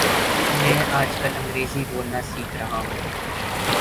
میں آج کل انگریزی بولنا سیکھ رہا ہوں